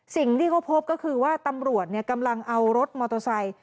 สิ่งที่เขาพบก็คือว่าตำรวจกำลังเอารถมอเตอร์ไซค์